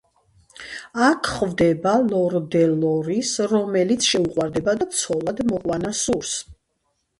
აქ ხვდება ლორ დე ლორის, რომელიც შეუყვარდება და ცოლად მოყვანა სურს.